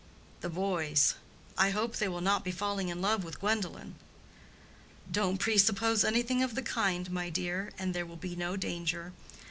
"The boys. I hope they will not be falling in love with Gwendolen." "Don't presuppose anything of the kind, my dear, and there will be no danger.